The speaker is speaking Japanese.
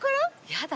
やだ。